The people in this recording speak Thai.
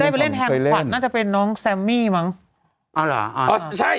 ไปเล่นแฮมขวัญน่าจะเป็นน้องแซมมี่มั้งอ๋อเหรออ่าใช่